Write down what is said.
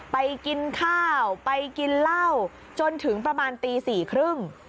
ไปกินข้าวไปกินเหล้าจนถึงประมาณตีสี่ครึ่ง